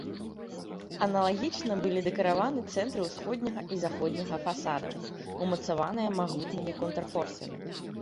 Аналагічна былі дэкараваны цэнтры ўсходняга і заходняга фасадаў, умацаваныя магутнымі контрфорсамі.